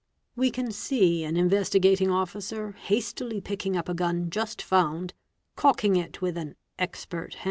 We can see an Investi gating Officer hastily picking up a gun just found, cocking it with an_ 'expert'?